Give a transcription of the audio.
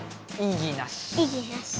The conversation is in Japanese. いぎなし！